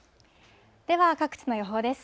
では各地の予報です。